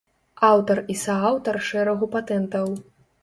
Аўтар і сааўтар шэрагу патэнтаў.